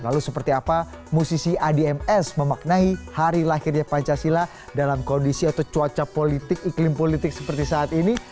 lalu seperti apa musisi adms memaknai hari lahirnya pancasila dalam kondisi atau cuaca politik iklim politik seperti saat ini